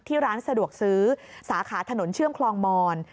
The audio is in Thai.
ร้านสะดวกซื้อสาขาถนนเชื่อมคลองมอน